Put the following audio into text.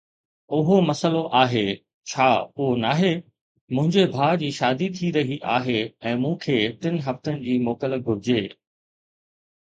اهو مسئلو آهي، ڇا اهو ناهي؟ منهنجي ڀاء جي شادي ٿي رهي آهي ۽ مون کي ٽن هفتن جي موڪل گهرجي.